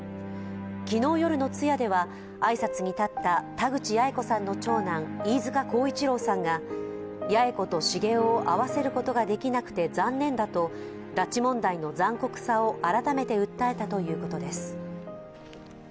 昨日夜の通夜では挨拶に立った田口八重子さんの長男、飯塚耕一郎さんが八重子と繁雄を会わせることができなくて残念だと、拉致問題の残酷さを改めて訴えたということです。